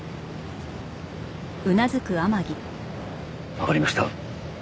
わかりました。